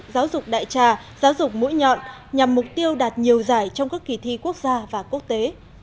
giáo dục đại trà giáo dục mũi nhọn nhằm mục tiêu đạt nhiều giải trong các kỳ thi quốc gia và quốc tế